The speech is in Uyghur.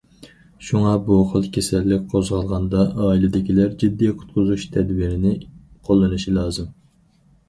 شۇڭا، بۇ خىل كېسەللىك قوزغالغاندا ئائىلىدىكىلەر جىددىي قۇتقۇزۇش تەدبىرىنى قوللىنىش لازىم.